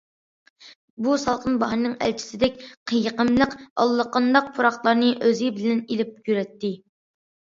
بۇ سالقىن باھارنىڭ ئەلچىسىدەك، يېقىملىق، ئاللىقانداق پۇراقلارنى ئۆزى بىلەن ئېلىپ يۈرەتتى.